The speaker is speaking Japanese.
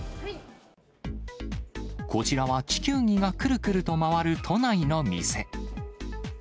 こちらは地球儀がくるくると回る都内の店。